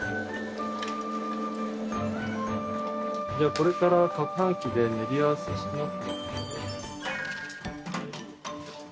これからかくはん機で練り合わせします。